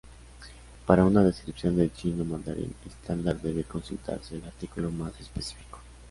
Para una descripción del chino mandarín estándar debe consultarse el artículo más específico.